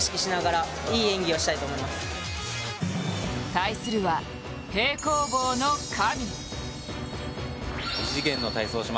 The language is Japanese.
対するは平行棒の神。